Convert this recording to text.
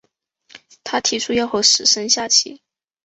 他提出要和死神下棋。